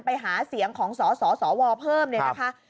ไปหาเสียงของสสวเพิ่มเนี่ยนะคะ